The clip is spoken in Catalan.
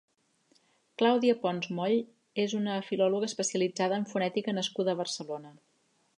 Clàudia Pons Moll és una filòloga especialitzada en fonètica nascuda a Barcelona.